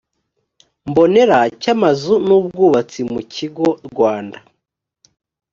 mbonera cy amazu n ubwubatsi mu kigo rwanda